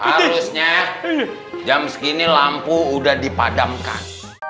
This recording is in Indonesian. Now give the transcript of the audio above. harusnya jam segini lampu sudah dipadamkan